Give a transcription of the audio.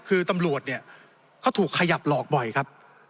คือตำรวจเนี่ยเขาถูกขยับหลอกบ่อยครับ